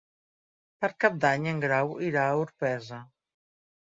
Per Cap d'Any en Grau irà a Orpesa.